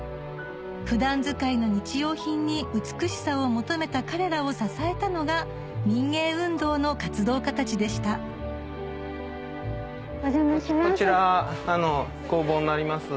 普段使いの日用品に美しさを求めた彼らを支えたのが民芸運動の活動家たちでしたお邪魔します。